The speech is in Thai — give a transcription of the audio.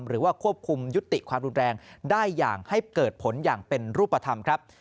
หรือว่าควบคุมยุติความรุนแรงได้อย่างให้เกิดผลอย่างเป็นรูปธรรมครับ